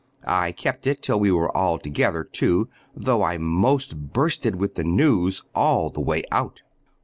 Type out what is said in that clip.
I kept it till we were all together, too, though I most bursted with the news all the way out.